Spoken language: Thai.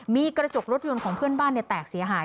มีกระจกรถยนต์ของเพื่อนบ้านแตกเสียหาย